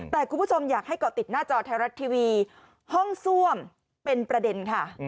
แต่คุณผู้ชมอยากให้เกาะติดหน้าจอไทยรัฐทีวีห้องซ่วมเป็นประเด็นค่ะ